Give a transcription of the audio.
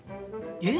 えっ？